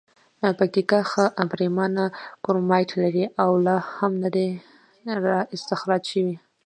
پکتیکا ښه پریمانه کرومایټ لري او لا هم ندي را اختسراج شوي.